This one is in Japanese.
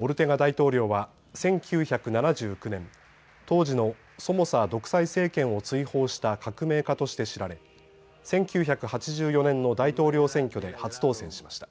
オルテガ大統領は１９７９年、当時のソモサ独裁政権を追放した革命家として知られ１９８４年の大統領選挙で初当選しました。